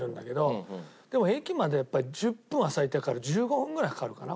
でも駅までやっぱり１０分は最低かかる１５分ぐらいかかるかな？